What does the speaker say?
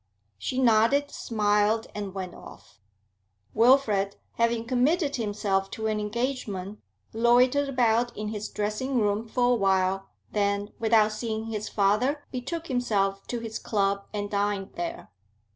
She nodded, smiled, and went off. Wilfrid, having committed himself to an engagement, loitered about in his dressing room for a while, then, without seeing his father, betook himself to his club and dined there.